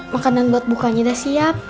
makanan buat bukanya udah siap